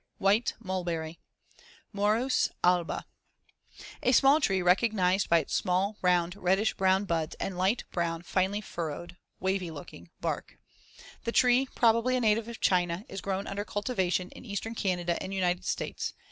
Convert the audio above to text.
WHITE MULBERRY (Morus alba) A small tree recognized by its small round reddish brown buds and light brown, finely furrowed (wavy looking) bark. The tree, probably a native of China, is grown under cultivation in eastern Canada and United States.